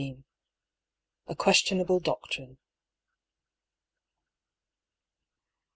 A QUESTIONABLE DOCTRINE.